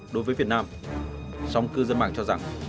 đối với việt nam song cư dân mạng cho rằng